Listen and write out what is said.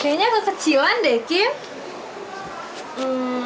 kayaknya kekecilan deh kim